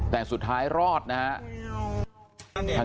แต่สุดท้ายรอดนะฮะ